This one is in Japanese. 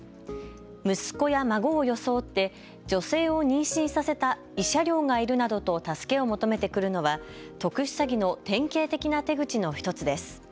息子や孫を装って女性を妊娠させた、慰謝料がいるなどと助けを求めてくるのは特殊詐欺の典型的な手口の１つです。